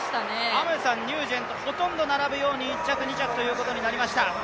アムサン、ニュージェント、ほとんど並ぶように１着、２着となりました。